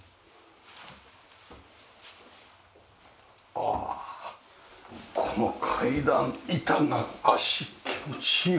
ああこの階段板が足気持ちいいわ。